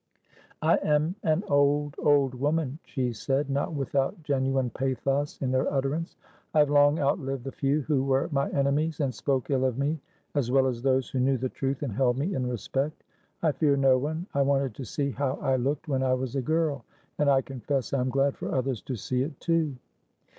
"I am an old, old woman," she said, not without genuine pathos in her utterance. "I have long outlived the few who were my enemies and spoke ill of me, as well as those who knew the truth and held me in respect. I fear no one. I wanted to see how I looked when I was a girl, and I confess I am glad for others to see it, too."